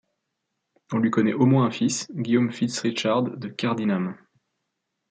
On lui connait au moins un fils, Guillaume Fitz Richard de Cardinham.